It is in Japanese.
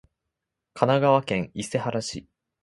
神奈川県伊勢原市